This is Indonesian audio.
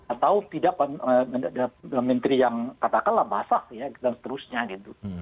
atau tidak menteri yang katakanlah basah ya dan seterusnya gitu